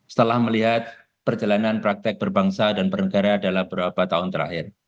setelah melihat perjalanan praktek berbangsa dan bernegara dalam beberapa tahun terakhir